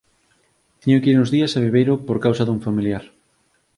Teño que ir uns días a Viveiro por causa dun familiar.